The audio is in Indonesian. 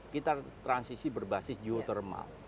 kita transisi berbasis geothermal